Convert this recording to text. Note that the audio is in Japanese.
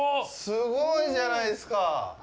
すごいじゃないですか。